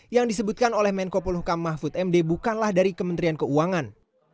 yang disebutkan oleh menko polhukam mahfud md bukanlah dari kementerian keuangan